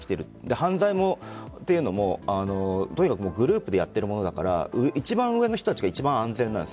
犯罪というのも、とにかくグループでやっているものだから一番上の人たちが一番安全なんです。